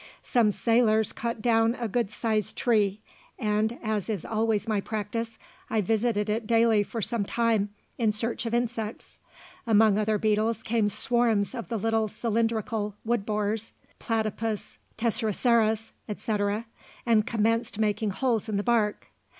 Some sailors cut down a good sized tree, and, as is always my practice, I visited it daily for some time in search of insects. Among other beetles came swarms of the little cylindrical woodborers (Platypus, Tesserocerus, &c.), and commenced making holes in the bark.